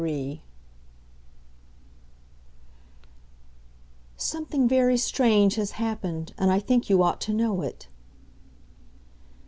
XXXIII "Something very strange has happened, and I think you ought to know it."